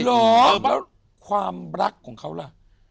แล้วความรักของเขาล่ะ